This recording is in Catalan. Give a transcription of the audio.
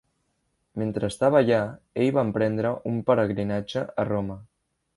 Mentre estava allà, ell va emprendre un peregrinatge a Roma.